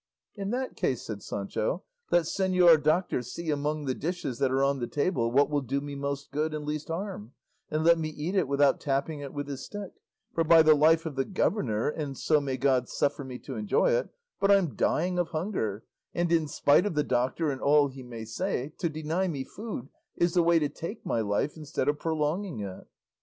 "In that case," said Sancho, "let señor doctor see among the dishes that are on the table what will do me most good and least harm, and let me eat it, without tapping it with his stick; for by the life of the governor, and so may God suffer me to enjoy it, but I'm dying of hunger; and in spite of the doctor and all he may say, to deny me food is the way to take my life instead of prolonging it."